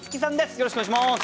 よろしくお願いします。